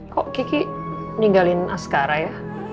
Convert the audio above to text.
kok kiki ninggalin askara ya